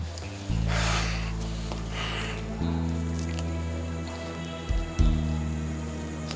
lihatlah ada anak black cobra yang berangkat